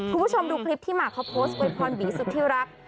คุณผู้ชมดูคลิปที่หมากเขาโพสต์อวยพรบีสุดที่รัก